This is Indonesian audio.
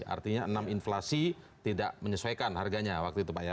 artinya enam inflasi tidak menyesuaikan harganya waktu itu pak ya